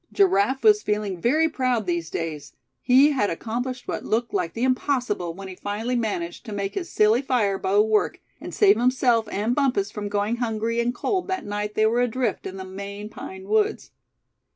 Giraffe was feeling very proud those days. He had accomplished what looked like the impossible when he finally managed to make his "silly fire bow" work, and saved himself and Bumpus from going hungry and cold that night they were adrift in the Maine pine woods.